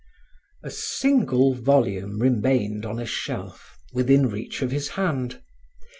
A single volume remained on a shelf, within reach of his hand.